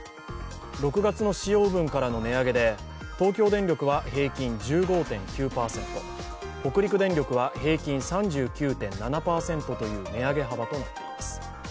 ６月の使用分からの値上げで東京電力は平均１５．９％、北陸電力は平均３９．７％という値上げ幅となっています。